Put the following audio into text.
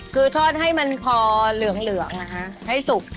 คือทอดให้มันพอเหลืองนะคะให้สุก